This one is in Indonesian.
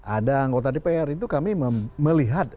ada anggota dpr itu kami melihat